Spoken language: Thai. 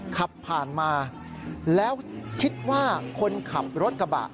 ขับผ่านมาแล้วคิดว่าคนขับรถกระบะ